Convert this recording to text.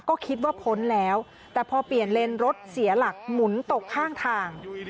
ก็คิดว่าพ้นแล้วแต่พอเปลี่ยนเลนรถเสียหลักหมุนตกข้างทาง